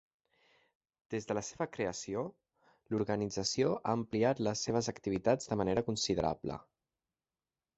Des de la seva creació l'organització ha ampliat les seves activitats de manera considerable.